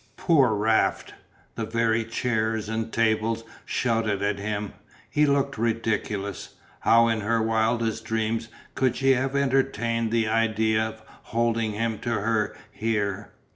Poor Raft. The very chairs and tables shouted at him; he looked ridiculous. How in her wildest dreams could she have entertained the idea of holding him to her, here?